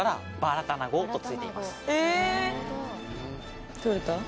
え！